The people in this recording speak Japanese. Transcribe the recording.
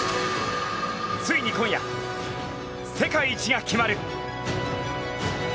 ついに今夜、世界一が決まる。